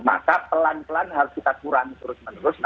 maka pelan pelan harus kita kurangi terus menerus